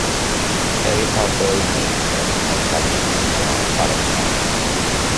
Failure probability may influence a manufacturer's decisions on a product's warranty.